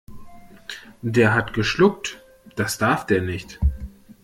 Der hat geschuckt, das darf der nicht.